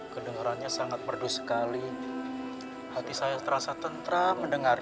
kedengerannya sangat merdu sekali hati saya terasa tentra mendengarnya